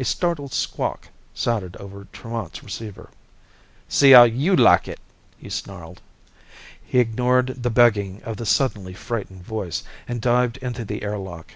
A startled squawk sounded over Tremont's receiver. "See how you like it!" he snarled. He ignored the begging of the suddenly frightened voice, and dived into the air lock.